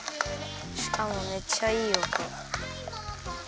しかもめっちゃいいおと。